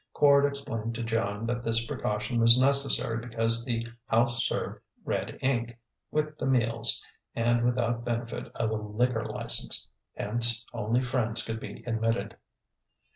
Quard explained to Joan that this precaution was necessary because the house served "red ink" with the meals and without benefit of a liquor license; hence, only friends could be admitted.